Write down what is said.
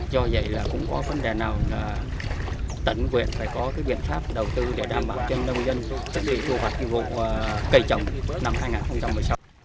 do vậy cũng có vấn đề nào tận quyền phải có biện pháp đầu tư để đảm bảo cho nông dân tính định thu hoạch vụ cây trồng năm hai nghìn một mươi sáu